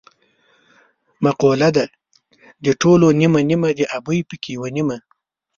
مقوله ده: د ټولو نیمه نیمه د ابۍ پکې یوه نیمه.